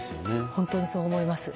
本当にそう思います。